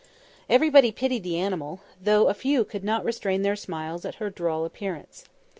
Everybody pitied the animal, though a few could not restrain their smiles at her droll appearance.